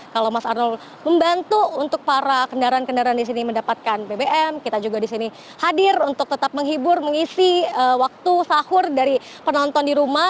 kalau mas arnold membantu untuk para kendaraan kendaraan di sini mendapatkan bbm kita juga disini hadir untuk tetap menghibur mengisi waktu sahur dari penonton di rumah